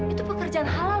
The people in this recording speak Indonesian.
itu pekerjaan halal